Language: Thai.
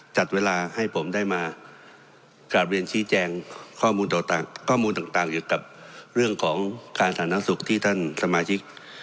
จัดเวลาให้ผมได้มากราบเรียนชี้แจงข้อมูลต่างข้อมูลต่างเกี่ยวกับเรื่องของการสาธารณสุขที่ท่านสมาชิก